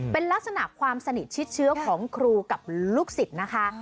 เป็นลักษณะความสนิทชิดเชื้อของครูกับลูกศิษย์นะคะ